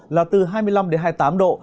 là từ hai mươi năm hai mươi tám độ